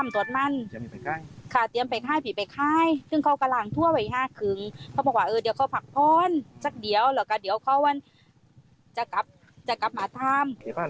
ตอนนั้นก็คือทำค่องทำตรวจมัน